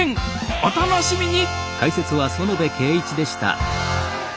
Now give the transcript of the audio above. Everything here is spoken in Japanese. お楽しみに！